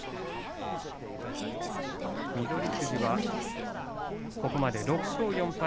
富士はここまで６勝４敗